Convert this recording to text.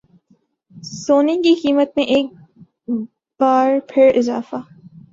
سونے کی قیمت میں ایک بار پھر اضافہ